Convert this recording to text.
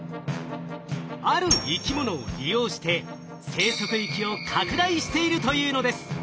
ある生き物を利用して生息域を拡大しているというのです。